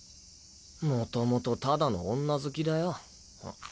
もともとただの女好きだよ。